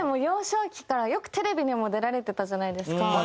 幼少期からよくテレビにも出られてたじゃないですか。